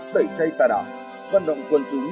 đẩy chay tà đạo văn động quần chúng